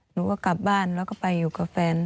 หนูก็กลับบ้านแล้วก็ไปอยู่กับแฟน